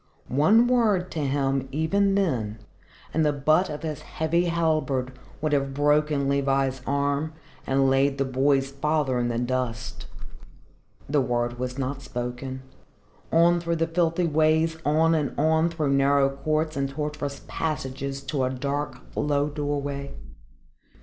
One word to him, even then, and the butt of his heavy halberd would have broken Levi's arm and laid the boy's father in the dust. The word was not spoken. On through the filthy ways, on and on, through narrow courts and tortuous passages to a dark low doorway.